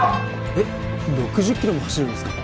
えっ６０キロも走るんですか！？